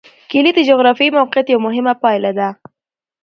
کلي د جغرافیایي موقیعت یوه مهمه پایله ده.